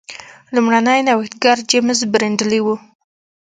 لومړنی نوښتګر جېمز برینډلي و.